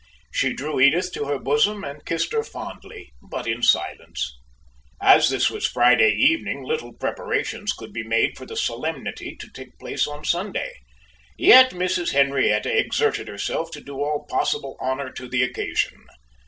She drew Edith to her bosom, and kissed her fondly, but in silence. As this was Friday evening, little preparations could be made for the solemnity to take place on Sunday. Yet Mrs. Henrietta exerted herself to do all possible honor to the occasion.